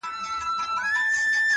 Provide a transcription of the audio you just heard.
هره پرېکړه راتلونکی رنګوي!